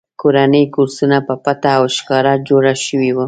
کورني کورسونه په پټه او ښکاره جوړ شوي وو